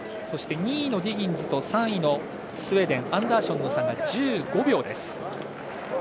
そして、２位のディギンズと３位のスウェーデンのアンダーションの差が１５秒です。